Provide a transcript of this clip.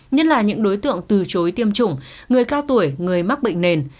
nhất là những đối tượng từ chối tiêm chủng người cao tuổi người mắc bệnh nền